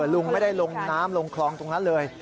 ลุงไม่ได้ลงน้ำลงคลองตรงนั้นเลย